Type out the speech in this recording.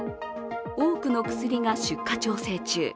多くの薬が出荷調整中。